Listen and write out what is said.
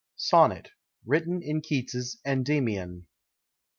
SONNET. WRITTEN IN KEATS' "ENDYMION."